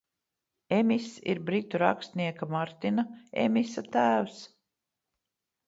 Emiss ir britu rakstnieka Martina Emisa tēvs.